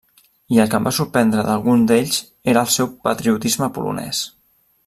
I el que em va sorprendre d'alguns d'ells era el seu patriotisme polonès.